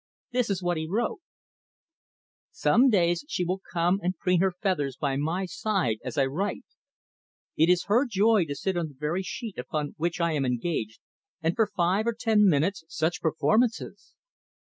This is what he wrote: "Some days she will come and preen her feathers by my side as I write. It is her joy to sit on the very sheet upon which I am engaged, and for five or ten minutes such performances!